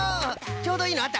ちょうどいいのあったか？